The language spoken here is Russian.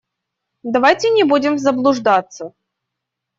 Давайте не будем заблуждаться.